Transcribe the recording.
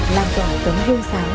làm tỏa tấm gương sáng